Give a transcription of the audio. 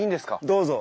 どうぞ。